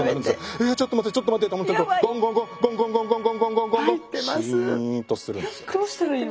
えちょっと待ってちょっと待ってと思ってるとゴンゴンゴンゴンゴンゴンゴンゴンシーンとするんです。